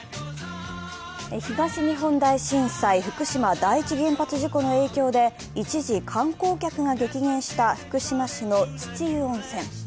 東日本大震災・福島第一原発事故の影響で一時、観光客が激減した福島市の土湯温泉。